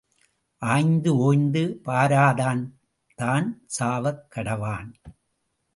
ஆய்ந்து ஓய்ந்து பாராதான் தான் சாவக் கடவான்.